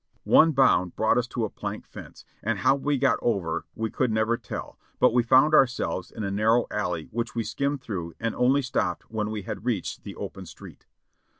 One bound brought us to a plank fence, and how we got over we could never tell, but Ave found ourselves in a narrow alley which we skimmed through and only stopped when we had reached the open street.